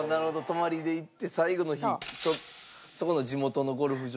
泊まりで行って最後の日そこの地元のゴルフ場に。